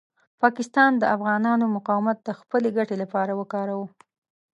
پاکستان د افغانانو مقاومت د خپلې ګټې لپاره وکاروه.